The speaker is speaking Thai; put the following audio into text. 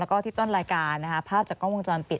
แล้วก็ที่ต้นรายการนะคะภาพจากกล้องวงจรปิด